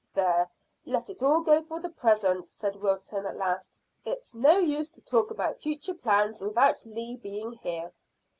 "There, let it all go for the present," said Wilton, at last. "It's no use to talk about future plans without Lee being here."